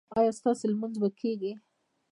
ایا ستاسو لمونځ به کیږي؟